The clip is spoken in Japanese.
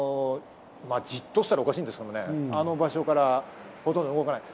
じっとと言うとおかしいですが、あの場所からほとんど動かない。